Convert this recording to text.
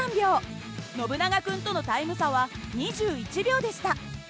ノブナガ君とのタイム差は２１秒でした。